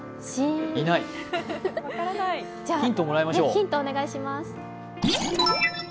ヒントをお願いします。